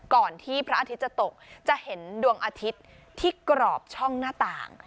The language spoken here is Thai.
ก่อนที่พระอาทิตย์จะตกจะเห็นดวงอาทิตย์ที่กรอบช่องหน้าต่าง